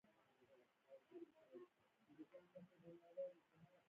احمد، علي ته په پزه خط وکيښ.